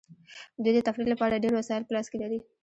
دوی د تفریح لپاره ډیر وسایل په لاس کې لري